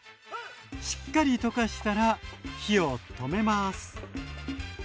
しっかり溶かしたら火を止めます。